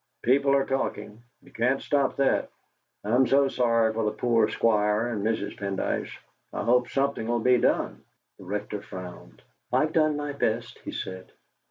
"People are talking; you can't stop that. I'm so sorry for the poor Squire, and Mrs. Pendyce. I hope something'll be done." The Rector frowned. "I've done my best," he said.